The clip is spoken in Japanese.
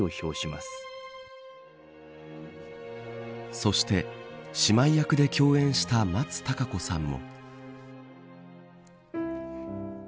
そして、姉妹役で共演した松たか子さんも。